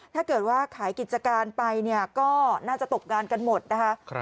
ถ้าเกิดว่าขายกิจการไปเนี่ยก็น่าจะตกงานกันหมดนะคะ